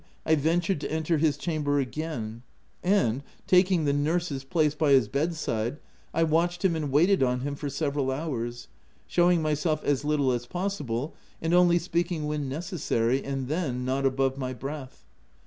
I ventured to enter his chamber again ; and, taking the nurse's place 198 THE TENANT by his bed side, I watched him and waited on him for several hours, showing myself as little as possible, and only speaking when necessary, and then not above my breath.